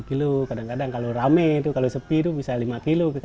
sekitar sepuluh kg kadang kadang kalau rame kalau sepi bisa lima kg kadang kadang empat ekor